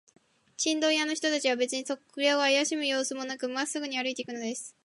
チンドン屋の人たちは、べつにそれをあやしむようすもなく、まっすぐに歩いていくのです。